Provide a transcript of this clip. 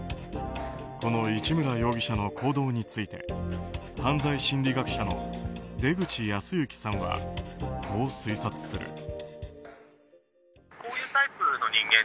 この市村容疑者の行動について犯罪心理学者の出口保行さんはこう推察する。